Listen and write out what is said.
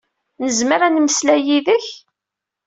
Nezmer ad nemmeslay yid-k?